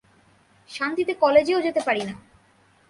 শান্তিতে কলেজেও যেতে পারি না।